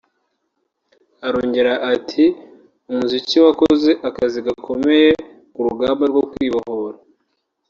Arongera ati “Umuziki wakoze akazi gakomeye ku rugamba rwo kwibohora